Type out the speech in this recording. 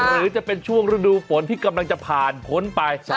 หรือจะเป็นช่วงฤดูฝนที่กำลังจะผ่านพ้นไป